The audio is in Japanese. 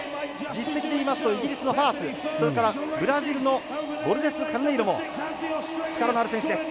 実績でいいますとイギリスのファースそれからブラジルのボルジェスカルネイロも力のある選手です。